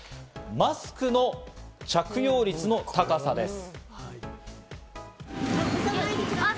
マスクの着用率の高さです。